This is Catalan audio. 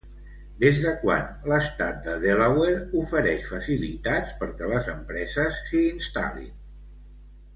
Des de quan l'estat de Delaware ofereix facilitats perquè les empreses s'hi instal·lin?